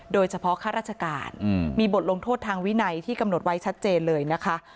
ข้าราชการมีบทลงโทษทางวินัยที่กำหนดไว้ชัดเจนเลยนะคะ